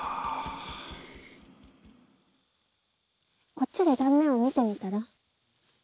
こっちで断面を見てみたら？